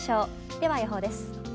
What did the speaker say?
では予報です。